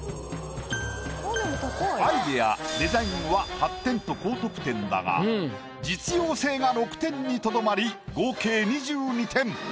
アイデアデザインは８点と高得点だが実用性が６点にとどまり合計２２点。